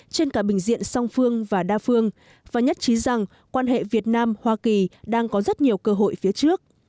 trên cả bình diện song phương và đa phương và nhất trí rằng quan hệ việt nam hoa kỳ đang có rất nhiều cơ hội phía trước